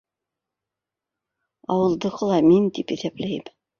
Ауылдыҡы ла мин тип иҫәпләйем